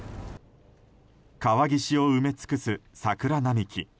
川岸を埋め尽くす桜並木。